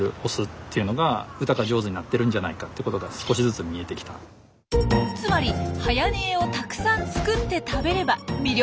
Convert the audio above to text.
注目したのはつまりはやにえをたくさん作って食べれば魅力的に歌えるんです。